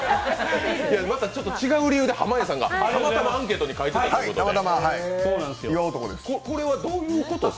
またちょっと違う理由で濱家さんがたまたまアンケートに書いてたということで。